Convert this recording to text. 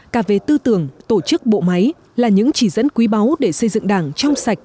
cả về tư tưởng tổ chức bộ máy là những chỉ dẫn quý báu để xây dựng đảng trong sạch